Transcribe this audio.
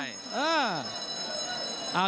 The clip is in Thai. ใช่